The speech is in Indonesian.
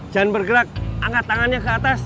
jangan bergerak angkat tangannya ke atas